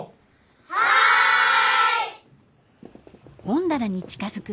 はい！